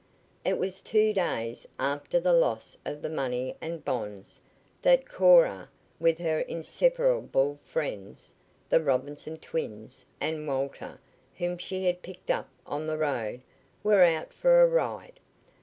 It was two days after the loss of the money and bonds that Cora, with her inseparable friends, the Robinson twins, and Walter, whom she had picked up on the road, were out for a ride.